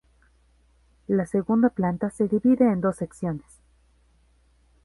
La segunda planta se divide en dos secciones.